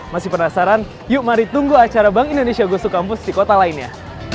masih penasaran yuk mari tunggu acara bank indonesia gue sukampus di kota lainnya